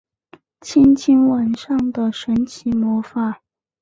轻轻吻上的神奇魔法